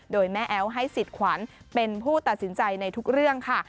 โดยแม่แอ๊วให้สิทธิ์ขวัญเป็นผู้ตัดสินใจในทุกเรื่องค่ะ